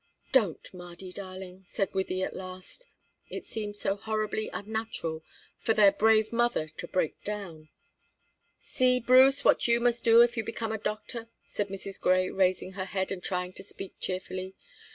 "Don't, Mardy darling," said Wythie at last; it seemed so horribly unnatural for their brave mother to break down. "See, Bruce, what you must do if you become a doctor," said Mrs. Grey, raising her head and trying to speak cheerfully.